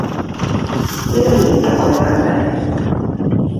І раней такое казалі.